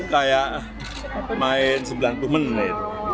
kayak main sembilan puluh menit